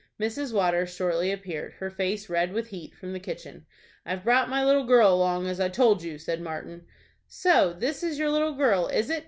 Mrs. Waters shortly appeared, her face red with heat, from the kitchen. "I've brought my little girl along, as I told you," said Martin. "So this is your little girl, is it?